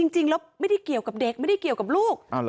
จริงแล้วไม่ได้เกี่ยวกับเด็กไม่ได้เกี่ยวกับลูก